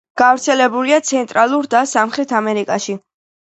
გავრცელებულია ცენტრალურ და სამხრეთ ამერიკაში.